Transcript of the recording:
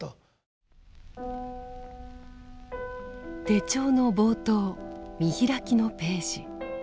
手帳の冒頭見開きのページ。